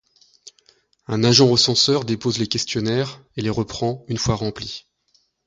Un agent recenseur dépose les questionnaires et les reprend une fois remplis.